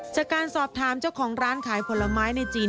จากการสอบถามเจ้าของร้านขายผลไม้ในจีน